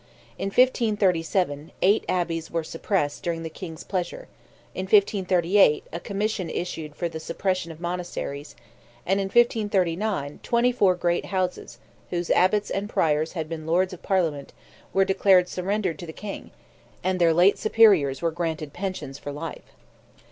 In 1537, eight abbeys were suppressed during the King's pleasure; in 1538, a commission issued for the suppression of monasteries; and in 1539, twenty four great Houses, whose Abbots and Priors had been lords of Parliament, were declared "surrendered" to the King, and their late superiors were granted pensions for life.